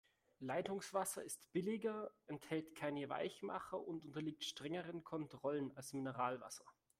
Leitungswasser ist billiger, enthält keinen Weichmacher und unterliegt strengeren Kontrollen als Mineralwasser.